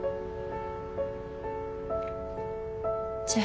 じゃあ。